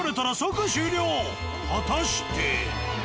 果たして。